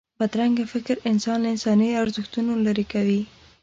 بدرنګه فکر انسان له انساني ارزښتونو لرې کوي